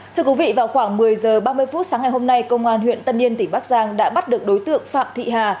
thưa quý vị vào khoảng một mươi h ba mươi phút sáng ngày hôm nay công an huyện tân yên tỉnh bắc giang đã bắt được đối tượng phạm thị hà